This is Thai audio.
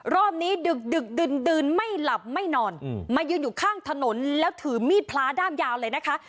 รอบนี้ดึกดื่นไม่หลับไม่นอนมายืนอยู่ข้างถนนแล้วถือมีดพระด้ามยาวเลยนะคะ